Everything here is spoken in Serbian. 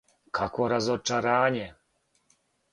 Какво разочарење!